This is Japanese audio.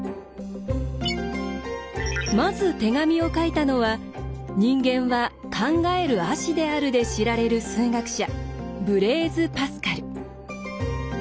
まず手紙を書いたのは「人間は考える葦である」で知られる数学者ブレーズ・パスカル。